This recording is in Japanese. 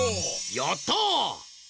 やった！